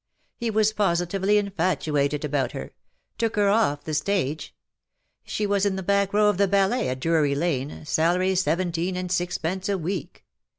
He was positively infatuated about her ; took her off the stage : she was in the back row of the ballet at Drury Lane, salary seventeen and sixpence a week.